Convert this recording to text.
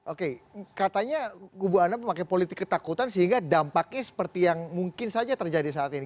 oke katanya kubu anda memakai politik ketakutan sehingga dampaknya seperti yang mungkin saja terjadi saat ini